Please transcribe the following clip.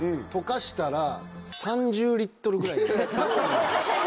すごいな。